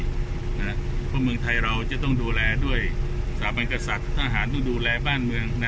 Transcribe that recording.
เพราะเมืองไทยเราจะต้องดูแลด้วยสถาบันกษัตริย์ทหารต้องดูแลบ้านเมือง